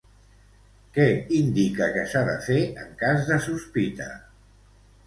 Què indica que s'ha de fer en cas de sospita?